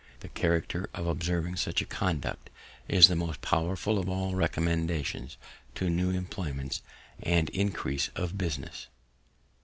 The character of observing such a conduct is the most powerful of all recommendations to new employments and increase of business.